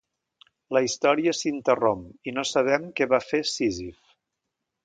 La història s'interromp i no sabem què va fer Sísif.